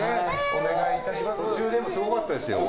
途中でもすごかったですよね。